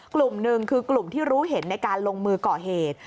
กลุ่มหนึ่งคือกลุ่มที่รู้เห็นในการลงมือก่อเหตุ